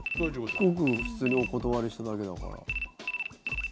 ごく普通にお断りしただけだから。